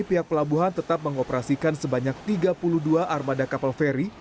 pihak pelabuhan tetap mengoperasikan sebanyak tiga puluh dua armada kapal feri